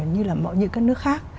như là mọi những các nước khác